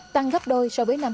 tăng gấp đôi